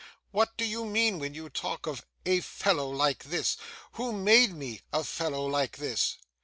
what do you mean when you talk of "a fellow like this"? Who made me "a fellow like this"?